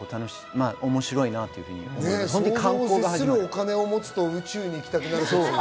お金を持つと宇宙に行きたくなる説。